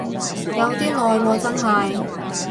有啲耐喎真係